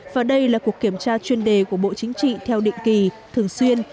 và đây là cuộc kiểm tra chuyên đề của bộ chính trị theo định kỳ thường xuyên